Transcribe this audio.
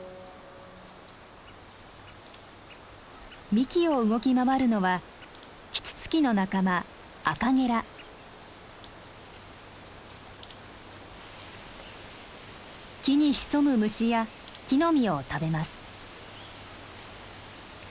幹を動き回るのはキツツキの仲間木に潜む虫や木の実を食べます。